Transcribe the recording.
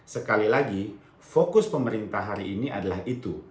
sekali lagi fokus pemerintah hari ini adalah itu